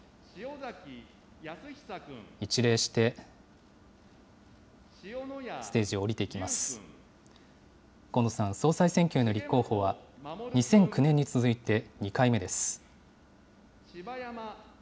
河野さん、総裁選挙への立候補は、２００９年に続いて２回目です。